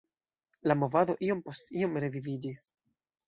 La movado iom post iom reviviĝis.